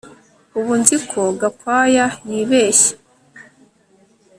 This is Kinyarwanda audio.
Ubu nzi ko Gakwaya yibeshye